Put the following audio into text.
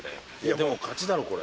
でも勝ちだろこれ。